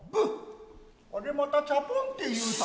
あれまたチャポンていうた。